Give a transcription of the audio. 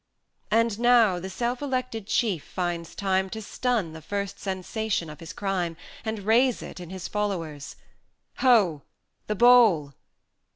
VI. And now the self elected Chief finds time To stun the first sensation of his crime, And raise it in his followers "Ho! the bowl!"